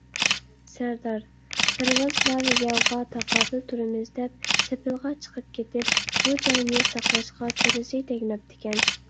سەردار - سەرۋازلار ياۋغا تاقابىل تۇرىمىز دەپ سېپىلغا چىقىپ كېتىپ، بۇ جاينى ساقلاشقا چولىسى تەگمەپتىكەن.